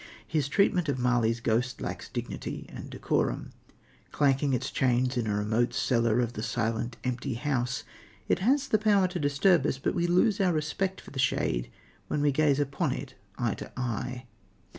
His treatment of Marley's ghost lacks dignity and decorum. Clanking its chains in a remote cellar of the silent, empty house, it has the power to disturb us, but we lose our respect for the shade when we gaze upon it eye to eye.